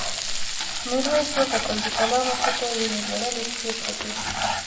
میرويس وکتل د کلا مخې ته وینې لړلې پښې پرتې.